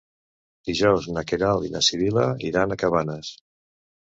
Dijous na Queralt i na Sibil·la iran a Cabanes.